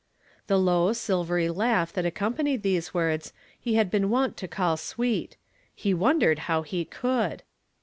The low, silvery laugh that acconq)anied these words, he had been wont to call sweet ; he wondered how he could